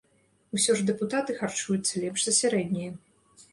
Усё ж дэпутаты харчуюцца лепш за сярэдняе.